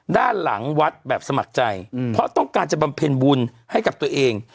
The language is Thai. ด้านหลังวัดแบบสมัครใจเพราะต้องการจะบำเพ็ญบุญให้กับตัวเอง